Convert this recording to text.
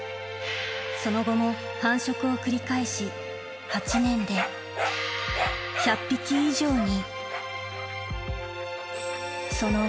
その後も繁殖を繰り返し、８年で１００匹以上に。